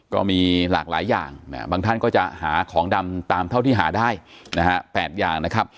ก็มีหลากหลายอย่างบางท่านก็จะหาของดำตามเท่าที่หาได้นะฮะ๘อย่างนะครับ